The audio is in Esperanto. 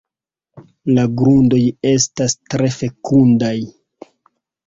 La grundoj estas tre fekundaj.